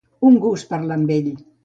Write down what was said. Un gust parlar amb ell.